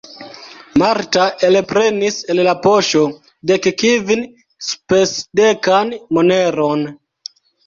Marta elprenis el la poŝo dekkvinspesdekan moneron.